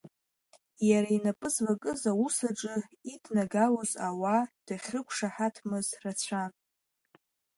Иара инапы злакыз аус аҿы иднагалоз ауаа дахьрықәшаҳаҭмыз рацәан.